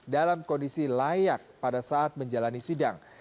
dalam kondisi layak pada saat menjalani sidang